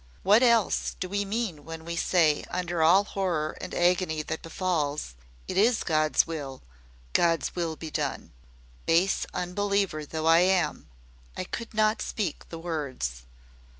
What else do we mean when we say under all horror and agony that befalls, 'It is God's will God's will be done.' Base unbeliever though I am, I could not speak the words.